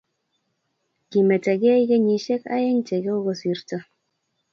Kimetegei kenyishek aeng che kokosirto